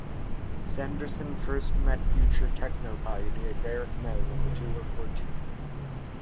Saunderson first met future Techno pioneer Derrick May when the two were fourteen.